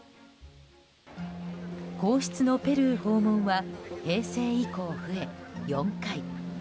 皇室のペルー訪問は平成以降増え、４回。